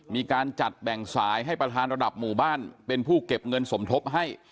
มีการจัดแบ่งสายให้ประธานระดับหมู่บ้านเป็นผู้เก็บเงินสมทบให้